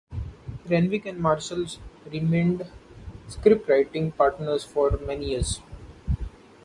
Renwick and Marshall remained scriptwriting partners for many years.